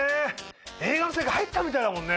映画の世界入ったみたいだもんね。